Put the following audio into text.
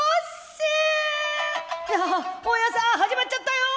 「大家さーん始まっちゃったよ